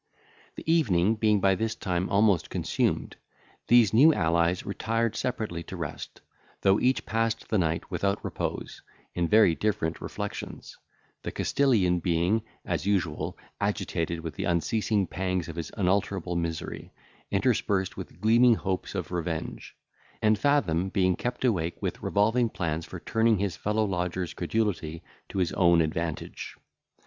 The evening being by this time almost consumed, these new allies retired separately to rest; though each passed the night without repose, in very different reflections, the Castilian being, as usual, agitated with the unceasing pangs of his unalterable misery, interspersed with gleaming hopes of revenge; and Fathom being kept awake with revolving plans for turning his fellow lodger's credulity to his own advantage.